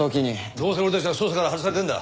どうせ俺たちは捜査から外されてるんだ。